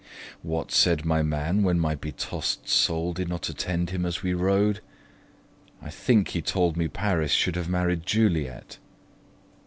What said my man, when my betossed soul Did not attend him as we rode? I think He told me Paris should have married Juliet.